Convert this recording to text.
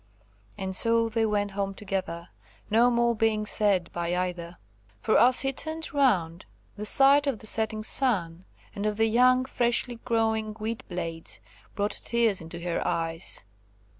And so they went home together, no more being said by either; for, as he turned round, the sight of the setting sun, and of the young freshly growing wheat blades, brought tears into her eyes.